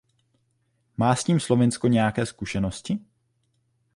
Má s tím Slovinsko nějaké zkušenosti?